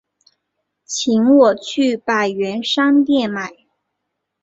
请我去百元商店买